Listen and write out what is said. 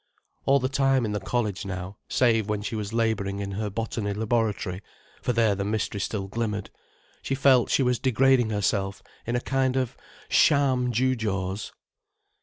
All the time in the college now, save when she was labouring in her botany laboratory, for there the mystery still glimmered, she felt she was degrading herself in a kind of trade of sham jewjaws.